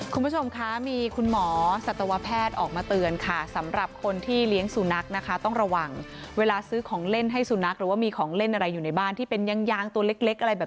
คุณผู้ชมคะมีคุณหมอสัตวแพทย์ออกมาเตือนค่ะสำหรับคนที่เลี้ยงสุนัขนะคะต้องระวังเวลาซื้อของเล่นให้สุนัขหรือว่ามีของเล่นอะไรอยู่ในบ้านที่เป็นยางตัวเล็กอะไรแบบ